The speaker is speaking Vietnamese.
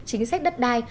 chính sách đất đai